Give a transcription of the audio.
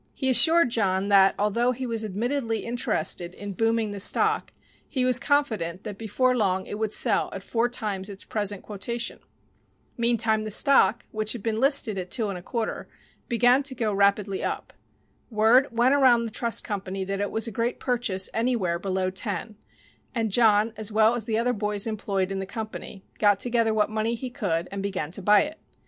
He assured John that, although he was admittedly interested in booming the stock, he was confident that before long it would sell at four times its present quotation. Meantime the stock, which had been listed at 2 1/4, began to go rapidly up. Word went around the trust company that it was a great purchase anywhere below 10, and John, as well as the other boys employed in the company, got together what money he could and began to buy it.